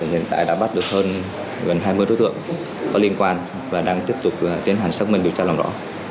hiện tại đã bắt được hơn gần hai mươi đối tượng có liên quan và đang tiếp tục tiến hành xác minh điều tra làm rõ